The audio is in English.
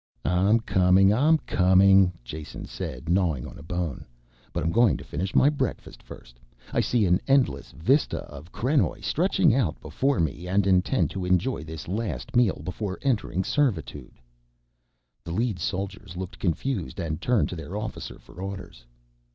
"I'm coming, I'm coming," Jason said, gnawing on a bone, "but I'm going to finish my breakfast first. I see an endless vista of krenoj stretching out before me and intend to enjoy this last meal before entering servitude." The lead soldiers looked confused and turned to their officer for orders.